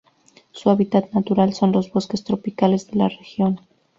Su hábitat natural son los bosques tropicales de la región.